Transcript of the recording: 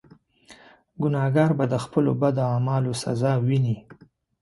ګناهکار به د خپلو بدو اعمالو سزا ویني.